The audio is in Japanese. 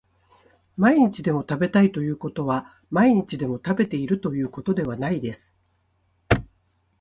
毎日でも食べたいということは毎日でも食べているということではないです